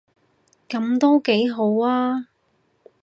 噉都幾好吖